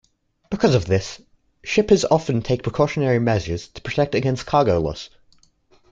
Because of this, shippers often take precautionary measures to protect against cargo loss.